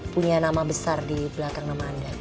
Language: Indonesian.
punya nama besar di belakang nama anda